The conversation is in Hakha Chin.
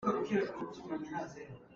A nu nih a hrikti a deh piak.